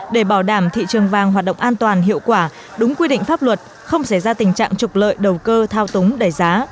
để bảo đảm thị trường vàng hoạt động an toàn hiệu quả đúng quy định pháp luật không xảy ra tình trạng trục lợi đầu cơ thao túng đẩy giá